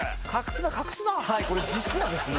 これ実はですね